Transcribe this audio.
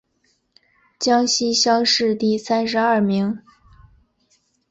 江西乡试第三十二名。